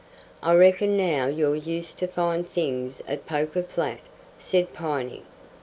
"I reckon now you're used to fine things at Poker Flat," said Piney.